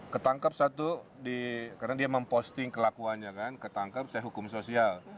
ketangkap satu karena dia memposting kelakuannya kan ketangkap saya hukum sosial